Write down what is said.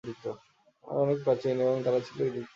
তারা ছিল অনেক প্রাচীন এবং তারা ছিল তীক্ষ্ণ-দন্তবিশিষ্ট।